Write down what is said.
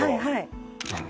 はい